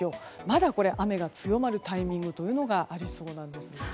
まだ雨が強まるタイミングがありそうなんです。